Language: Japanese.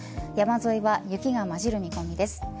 山沿いは雪がまじる見込みです。